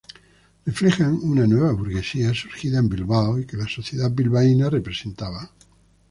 Reflejan una nueva burguesía surgida en Bilbao, y que la Sociedad Bilbaína representaba.